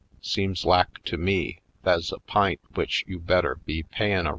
Seems lak to me tha's a p'int w'ich you better be payin' a right 156